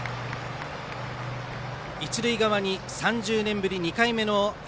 一塁側に３０年ぶり２回目の春